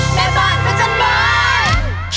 แม่บ้านประจันบาล